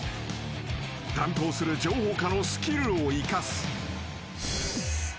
［担当する情報科のスキルを生かす］